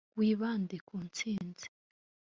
wibande ku ntsinzi